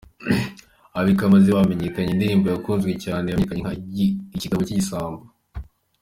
Abakimaze bamenyekanye mu ndirimbo yakunzwe cyane yamenyekanye nka “Ikigabo cy’igisambo”.